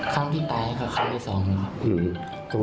ครั้งที่ตายก็ครั้งที่สองครับ